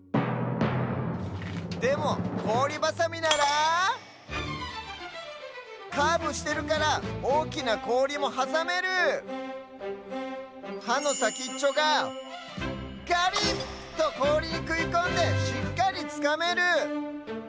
でもこおりバサミならカーブしてるからおおきなこおりもはさめる！はのさきっちょがガリッ！とこおりにくいこんでしっかりつかめる！